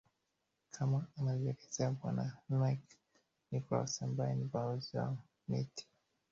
kama anavyoelezea bwana mike nicholas ambae ni balozi wa miti